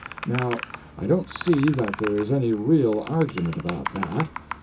Now, I don't see that there is any real argument about that.